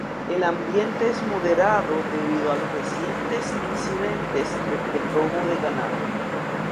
El ambiente es moderado debido a los recientes incidentes de robo de ganado.